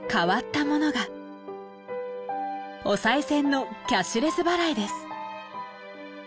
お賽銭のキャッシュレス払いです。